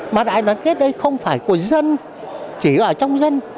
mà đại đoàn kết đây không phải của dân chỉ ở trong dân